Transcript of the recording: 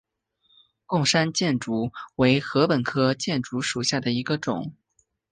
贡山箭竹为禾本科箭竹属下的一个种。